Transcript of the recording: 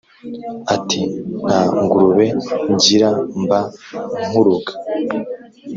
Ati: "Nta ngurube ngira mba nkuroga!